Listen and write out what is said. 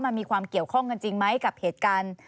มันมีความเกี่ยวข้องกันจริงไหมกับเหตุการณ์